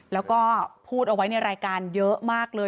แล้วก็พูดเอาไว้ในรายการเยอะมากเลย